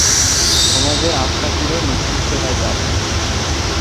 সমাজের আস্তাকুঁড়ে নিক্ষিপ্ত হয় তারা।